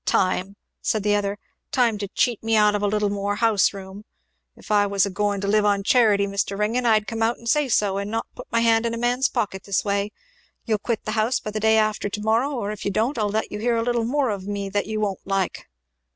"Time!" said the other. "Time to cheat me out of a little more houseroom. If I was agoing to live on charity, Mr. Ringgan, I'd come out and say so, and not put my hand in a man's pocket this way. You'll quit the house by the day after to morrow, or if you don't I'll let you hear a little more of me that you won't like!"